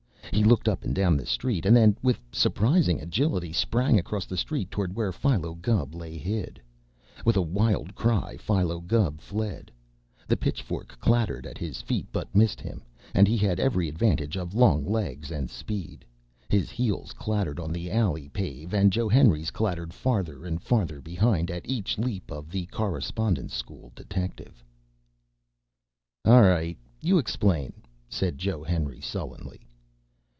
He looked up and down the street and then, with surprising agility, sprang across the street toward where Philo Gubb lay hid. With a wild cry, Philo Gubb fled. The pitchfork clattered at his feet, but missed him, and he had every advantage of long legs and speed. His heels clattered on the alley pave, and Joe Henry's clattered farther and farther behind at each leap of the Correspondence School detective. "All right, you explain," said Joe Henry sullenly.